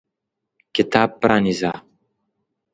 کتاب پرانیزه !